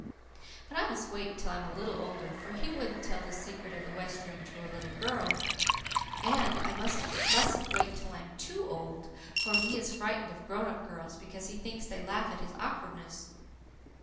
"But I must wait until I'm a little older, for he wouldn't tell the secret of the west room to a little girl. And I mustn't wait till I'm TOO old, for he is frightened of grown up girls, because he thinks they laugh at his awkwardness.